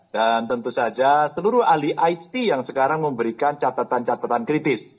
tentu saja seluruh ahli it yang sekarang memberikan catatan catatan kritis